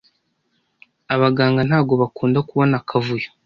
Abaganga ntago bakunda kubona akavuyo